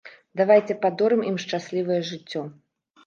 Давайце падорым ім шчаслівае жыццё!